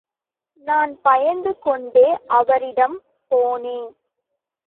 நான் பயந்து கொண்டே அவரிடம் போனேன்.